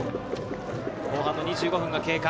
後半の２５分が経過。